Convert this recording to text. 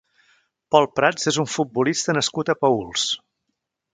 Pol Prats és un futbolista nascut a Paüls.